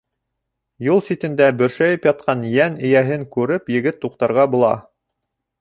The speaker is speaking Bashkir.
Юл ситендә бөршәйеп ятҡан йән эйәһен күреп, егет туҡтарға була.